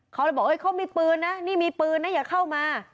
เขาเลยบอกเขามีปืนนะนี่มีปืนนะอย่าเข้ามา